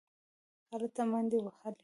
هلته منډې وهلې.